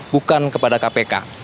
bukan kepada kpk